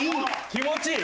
気持ちいい！